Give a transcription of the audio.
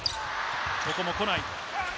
ここも来ない。